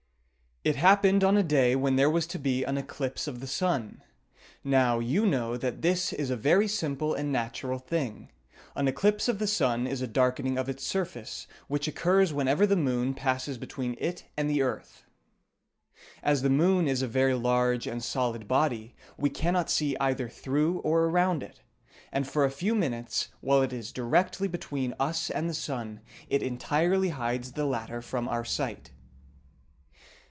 It happened on a day when there was to be an eclipse of the sun. Now, you know that this is a very simple and natural thing. An eclipse of the sun is a darkening of its surface, which occurs whenever the moon passes between it and the earth. As the moon is a very large and solid body, we cannot see either through or around it, and for a few minutes while it is directly between us and the sun it entirely hides the latter from our sight.